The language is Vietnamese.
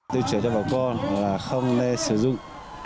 tư trợ cho bà con là không lê sử dụng